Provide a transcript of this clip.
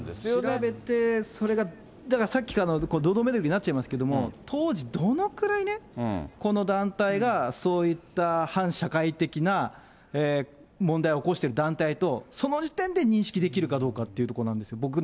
調べて、それが、だからさっきから堂々巡りになっちゃいますけど、当時、どのくらいね、この団体がそういった反社会的な問題を起こしている団体と、その時点で認識できるかというところなんです。